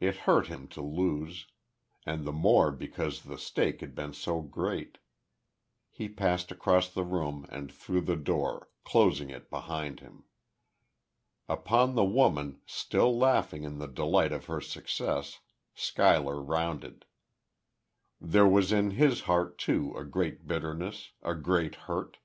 It hurt him to lose and the more because the stake had been so great.... He passed across the room, and through the door, closing it behind him. Upon the woman, still laughing in the delight of her success, Schuyler rounded. There was in his heart, too, a great bitterness a great hurt.